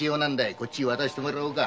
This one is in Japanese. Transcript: こっちに渡してもらおうか。